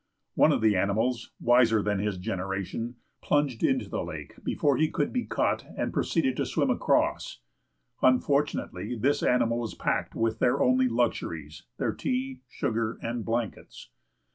One of the animals, wiser than his generation, plunged into the lake before he could be caught and proceeded to swim across. Unfortunately this animal was packed with their only luxuries, their tea, sugar, and blankets.